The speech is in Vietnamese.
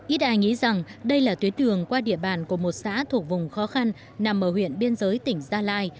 ít ai nghĩ rằng đây là tuyến đường qua địa bàn của một xã thuộc vùng khó khăn nằm ở huyện biên giới tỉnh gia lai